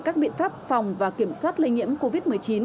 các biện pháp phòng và kiểm soát lây nhiễm covid một mươi chín